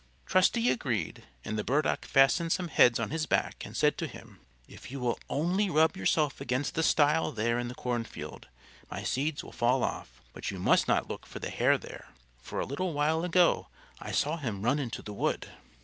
Trusty agreed, and the Burdock fastened some heads on his back, and said to him, "If you will only rub yourself against the stile there in the cornfield, my seeds will fall off. But you must not look for the Hare there, for a little while ago I saw him run into the wood."